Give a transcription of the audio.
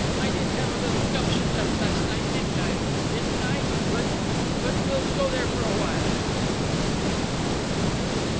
I did have a little gumption left last night, didn't I? Didn't I? But but we'll go there for a while."